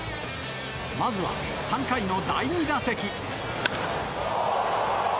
まずは３回の第２打席。